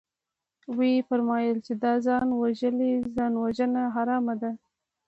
ويې فرمايل چې ده ځان وژلى ځانوژنه حرامه ده.